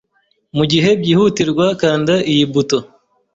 Mugihe byihutirwa, kanda iyi buto.